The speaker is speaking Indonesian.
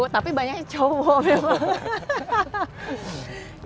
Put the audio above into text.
tapi banyaknya cowok memang